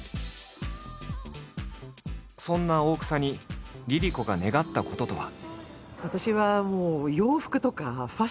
そんな大草にＬｉＬｉＣｏが願ったこととは。